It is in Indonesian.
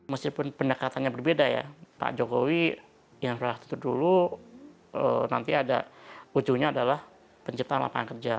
meskipun pendekatannya berbeda ya pak jokowi yang sudah dulu nanti ada ujungnya adalah penciptaan lapangan kerja